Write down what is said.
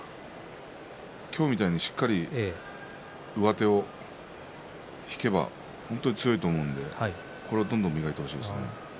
今日みたいにしっかり上手を引けば本当に強いと思うので、これをどんどん磨いてほしいですね。